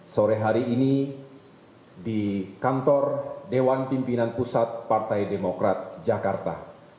sore hari ini di kantor dewan pimpinan pusat partai demokrat jakarta